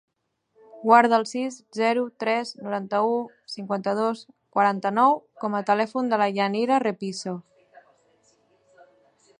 Guarda el sis, zero, tres, noranta-u, cinquanta-dos, quaranta-nou com a telèfon de la Yanira Repiso.